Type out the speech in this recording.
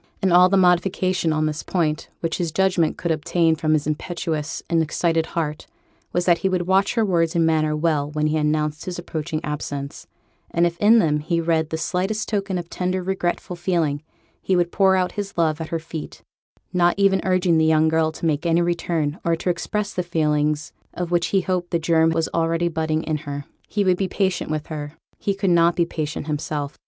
And all the modification on this point which his judgment could obtain from his impetuous and excited heart was, that he would watch her words and manner well when he announced his approaching absence, and if in them he read the slightest token of tender regretful feeling, he would pour out his love at her feet, not even urging the young girl to make any return, or to express the feelings of which he hoped the germ was already budding in her. He would be patient with her; he could not be patient himself.